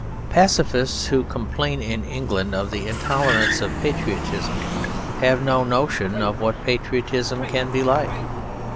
Pacifists who complained in England of the intolerance of patriotism have no notion of what patriotism can be like.